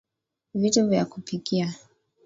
vitu vya kupikia